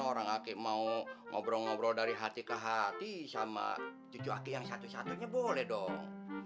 orang akik mau ngobrol ngobrol dari hati ke hati sama cucu aki yang satu satunya boleh dong